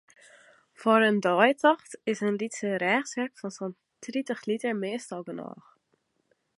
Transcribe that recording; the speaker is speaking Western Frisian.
Foar in deitocht is in lytse rêchsek fan sa'n tritich liter meastal genôch.